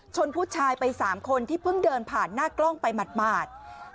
ผู้ชายไป๓คนที่เพิ่งเดินผ่านหน้ากล้องไปหมาด